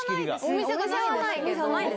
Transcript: お店がないです。